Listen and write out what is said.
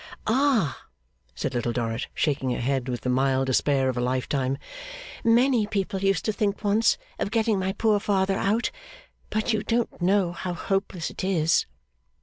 'Ah!' said Little Dorrit, shaking her head with the mild despair of a lifetime. 'Many people used to think once of getting my poor father out, but you don't know how hopeless it is.